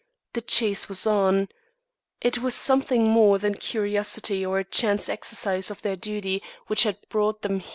The chase was on. It was something more than curiosity or a chance exercise of their duty which had brought them here.